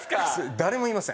誰もいません。